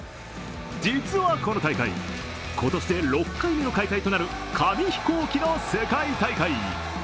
実はこの大会、今年で６回目の開催となる紙飛行機の世界大会。